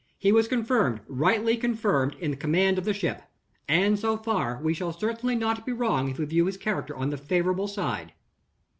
He was confirmed, rightly confirmed, in the command of the ship. And, so far, we shall certainly not be wrong if we view his character on the favorable side."